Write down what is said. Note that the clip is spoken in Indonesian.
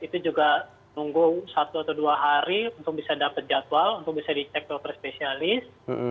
itu juga nunggu satu atau dua hari untuk bisa dapat jadwal untuk bisa dicek dokter spesialis